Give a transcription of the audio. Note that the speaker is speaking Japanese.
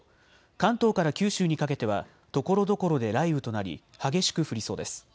関東から九州にかけてはところどころで雷雨となり激しく降りそうです。